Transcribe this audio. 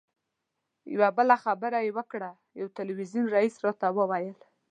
یوه بله خبره یې وکړه یو تلویزیون رییس راته وویل.